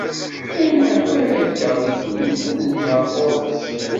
Ayen akk ara kkeɣ di ddunit, ad neddheɣ ɣur-s.